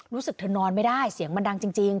รู้สึกเธอนอนไม่ได้เสียงมันดังจริง